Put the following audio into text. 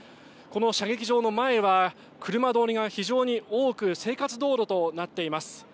この射撃場の前は車通りが非常に多く生活道路となっています。